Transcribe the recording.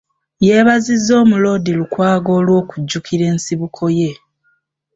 Yeebazizza Omuloodi Lukwago olw'okujjukira ensibuko ye